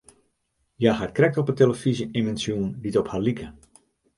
Hja hat krekt op 'e telefyzje immen sjoen dy't op har like.